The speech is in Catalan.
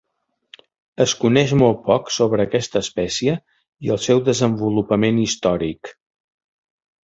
Es coneix molt poc sobre aquesta espècie i el seu desenvolupament històric.